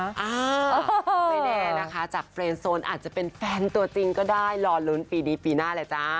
ไม่แน่นะคะจากเฟรนโซนอาจจะเป็นแฟนตัวจริงก็ได้รอลุ้นปีนี้ปีหน้าเลยจ้า